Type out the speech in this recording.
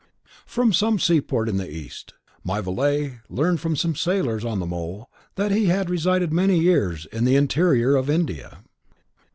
"From some seaport in the East. My valet learned from some of the sailors on the Mole that he had resided many years in the interior of India."